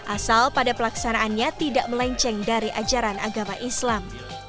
asal pada pelaksanaannya tidak melenceng dari ajaran agama islam